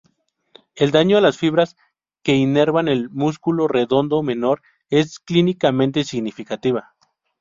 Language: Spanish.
El daño a las fibras que inervan el músculo redondo menor es clínicamente significativa.